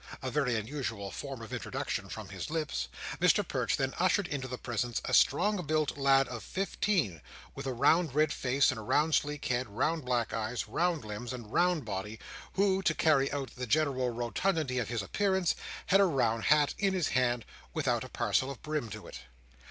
—a very unusual form of introduction from his lips—Mr Perch then ushered into the presence a strong built lad of fifteen, with a round red face, a round sleek head, round black eyes, round limbs, and round body, who, to carry out the general rotundity of his appearance, had a round hat in his hand, without a particle of brim to it.